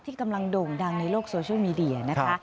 กำลังโด่งดังในโลกโซเชียลมีเดียนะคะ